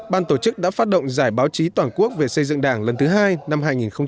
ban tổ chức đã phát động giải báo chí toàn quốc về xây dựng đảng lần thứ hai năm hai nghìn hai mươi